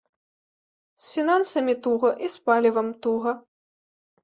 З фінансамі туга і з палівам туга.